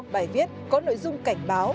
bài viết có nội dung cảnh báo